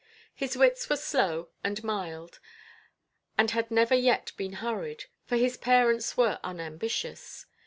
His wits were slow and mild, and had never yet been hurried, for his parents were unambitious.